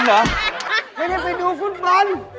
ไม่ได้ไปดูฟุตบอล